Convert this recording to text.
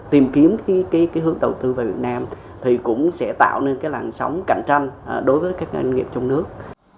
tìm kiếm cái hướng đầu tư về việt nam thì cũng sẽ tạo nên cái làn sóng cạnh tranh đối với các doanh nghiệp trong nước